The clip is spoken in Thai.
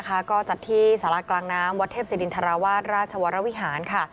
ก็จัดที่สารากลางน้ำวัดเทพศิรินทราวาสราชวรวิหารค่ะ